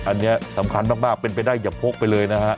อันนี้สำคัญมากเป็นไปได้อย่าพกไปเลยนะฮะ